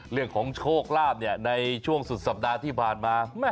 เรื่องของโชคลาภในช่วงสุดสัปดาห์ที่ผ่านมา